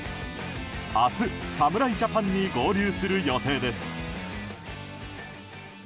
明日、侍ジャパンに合流する予定です。